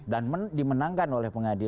dan dimenangkan oleh penduduk